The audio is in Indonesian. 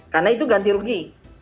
karena itu ganti rugi